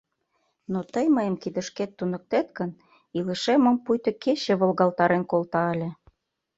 Но тый мыйым кидышкет туныктет гын, илышемым пуйто кече волгалтарен колта ыле.